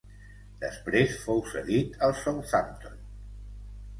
Després fou cedit al Southampton.